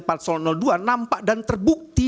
parsel dua nampak dan terbukti